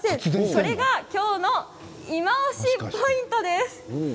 それが今日のいまオシポイントです。